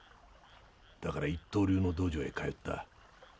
だから一刀流の道場へ通った。